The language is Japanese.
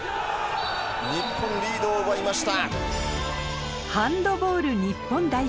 日本リードを奪いました。